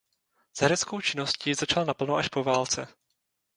S hereckou činností začal naplno až po válce.